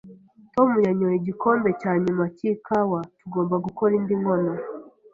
Tom yanyoye igikombe cya nyuma cyikawa. Tugomba gukora indi nkono